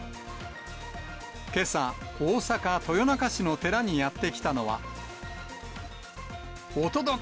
けさ、大阪・豊中市の寺にやって来たのは、おとどけ！